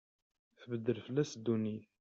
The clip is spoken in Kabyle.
Tbeddel fell-as ddunit.